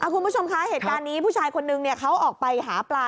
คุณผู้ชมคะเหตุการณ์นี้ผู้ชายคนนึงเขาออกไปหาปลา